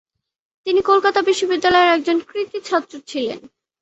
তিনি কলকাতা বিশ্ববিদ্যালয়ের একজন কৃতী ছাত্র ছিলেন।